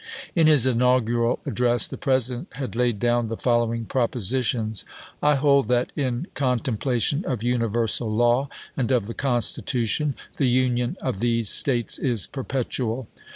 In his inaugural address the President had laid down the follow ing propositions :" I hold that, in contempla tion of universal law, and of the Constitution, the union of these States is perpetual.